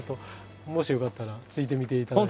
もしよかったらついてみていただいて。